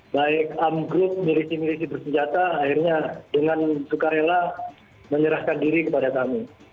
baik arm group milisi milisi bersenjata akhirnya dengan sukarela menyerahkan diri kepada kami